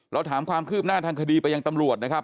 เราถามความคืบหน้าทางคดีไปยังตำรวจนะครับ